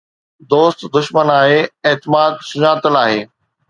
دوست دشمن آهي، اعتماد سڃاتل آهي!